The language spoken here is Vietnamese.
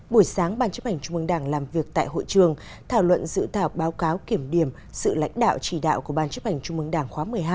buổi sáng ban chấp hành trung ương đảng làm việc tại hội trường thảo luận dự thảo báo cáo kiểm điểm sự lãnh đạo chỉ đạo của ban chấp hành trung mương đảng khóa một mươi hai